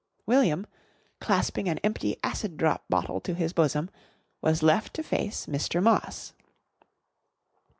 William, clasping an empty Acid Drop bottle to his bosom, was left to face Mr. Moss.